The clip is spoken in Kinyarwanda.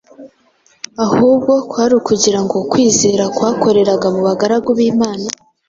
ahubwo kwari ukugira ngo ukwizera kwakoreraga mu bagaragu b’Imana